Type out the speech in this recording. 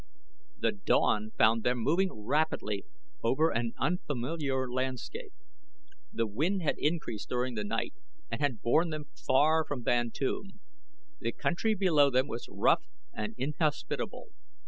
The dawn found them moving rapidly over an unfamiliar landscape. The wind had increased during the night and had borne them far from Bantoom. The country below them was rough and inhospitable.